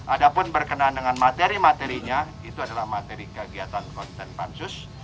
ada pun berkenaan dengan materi materinya itu adalah materi kegiatan konten pansus